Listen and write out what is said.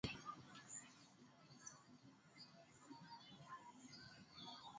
wake Uislamu hufundisha kuhusu vita vya ndani ambavyo muumini